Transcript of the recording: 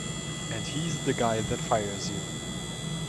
And he's the guy that fires you.